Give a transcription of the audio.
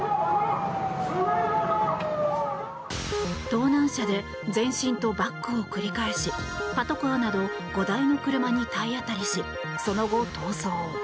盗難車で前進とバックを繰り返しパトカーなど５台の車に体当たりしその後、逃走。